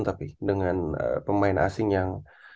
tapi dengan pemain asing yang